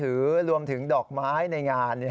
นายยกรัฐมนตรีพบกับทัพนักกีฬาที่กลับมาจากโอลิมปิก๒๐๑๖